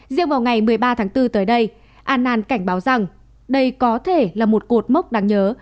riêng vào ngày một mươi ba tháng bốn tới đây annan cảnh báo rằng đây có thể là một cột mốc đáng nhớ